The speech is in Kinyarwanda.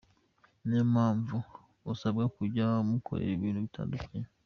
Ni yo mpamvu usabwa kujya umukorera ibintu bitandukanye.